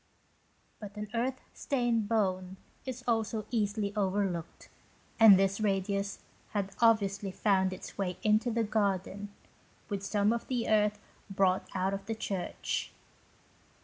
But an earth stained bone is also easily overlooked, and this radius had obviously found its way into the garden with some of the earth brought out of the church.